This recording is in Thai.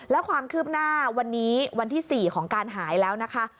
แล้วความคืบหน้าวันนี้วันที่๔ของการหายแล้วนะคะ